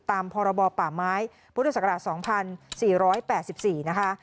ตามพปมศ๒๔๘๔นะคะ